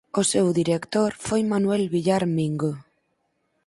O seu director foi Manuel Villar Mingo.